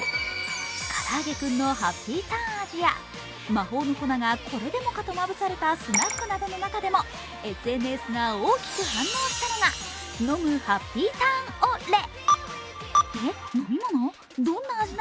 からあげクンのハッピーターン味や魔法の粉がこれでもかとまぶされたスナックの中でもＳＮＳが大きく反応したのが飲むハッピーターンオ・レ。